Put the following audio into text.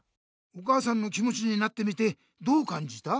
お母さんの気もちになってみてどうかんじた？